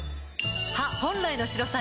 歯本来の白さへ！